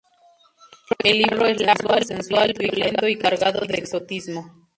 El libro es largo, sensual, violento y cargado de exotismo.